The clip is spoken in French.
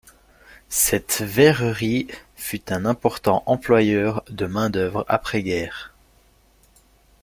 Cette verrerie fut un important employeur de main d’œuvre après guerre.